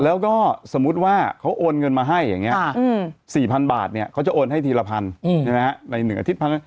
แล้วก็สมมุติว่าเขาโอนเงินมาให้อย่างนี้๔๐๐๐บาทเขาจะโอนให้ทีละพันใน๑อาทิตย์